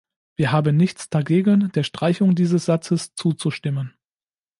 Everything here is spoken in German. Wir haben nichts dagegen, der Streichung dieses Satzes zuzustimmen.